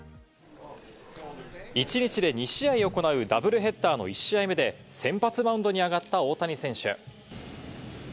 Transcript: １日で２試合を行うダブルヘッダーの１試合目で先発マウンドにあがった大谷選手。